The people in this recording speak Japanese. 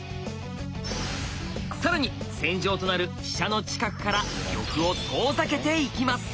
更に戦場となる飛車の近くから玉を遠ざけていきます。